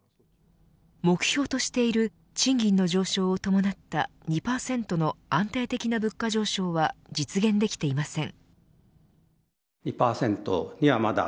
目標としている賃金の上昇を伴った２％の安定的な物価上昇は実現できていません。